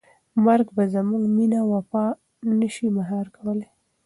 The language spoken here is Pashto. مرګ به زموږ مینه ونه شي مهار کولی.